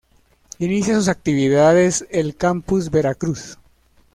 Inicia sus actividades el Campus Veracruz.